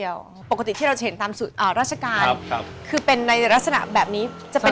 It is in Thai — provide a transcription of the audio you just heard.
อยากจะคิดว่ามันควรจะเป็นแบบไหน